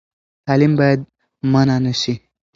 تعلیم باید منع نه سي.